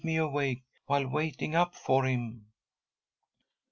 me awake while waiting up for him."